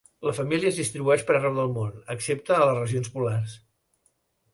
La família es distribueix per arreu del món, excepte a les regions polars.